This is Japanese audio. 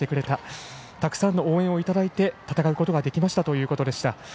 たくさんの応援をいただいて戦うことができましたという話でした。